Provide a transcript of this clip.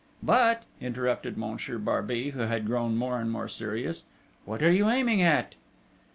"But," interrupted Monsieur Barbey, who had grown more and more serious. "What are you aiming at?"